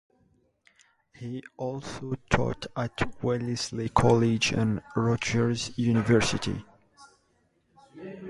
He also taught at Wellesley College and Rutgers University.